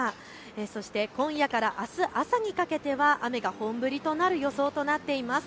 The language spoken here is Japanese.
そして今夜からあす朝にかけては雨が本降りとなる予想となっています。